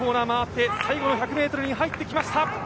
最後の１００ｍに入ってきました！